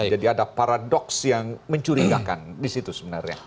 jadi ada paradoks yang mencurigakan di situ sebenarnya